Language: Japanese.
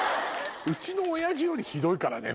うちの親父よりひどいからね。